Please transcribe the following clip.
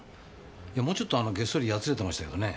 もうちょっとげっそりやつれてましたけどね。